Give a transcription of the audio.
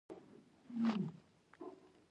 کرنه د اقتصاد ملا تیر دی.